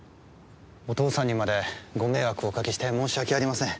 お義父さんにまでご迷惑をおかけして申し訳ありません。